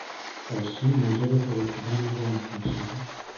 چاشنی موجب ترکیدن بمب میشود.